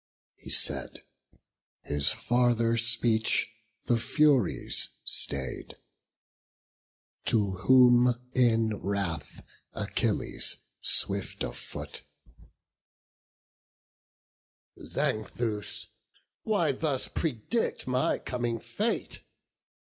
He said; his farther speech the Furies stay'd. To whom in wrath Achilles swift of foot; "Xanthus, why thus predict my coming fate?